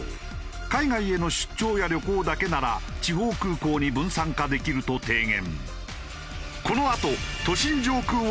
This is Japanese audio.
海外への出張や旅行だけなら地方空港に分散化できると提言。